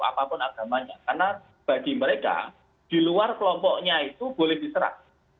apapun agamanya karena bagi mereka di luar kelompoknya itu boleh diserak